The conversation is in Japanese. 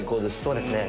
そうですね。